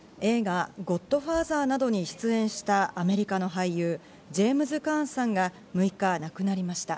映画『ゴッドファーザー』などに出演したアメリカの俳優、ジェームズ・カーンさんが６日、亡くなりました。